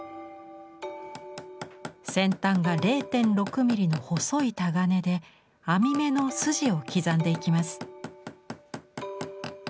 先端が０．６ミリの細いタガネで網目の筋を刻んでいきます。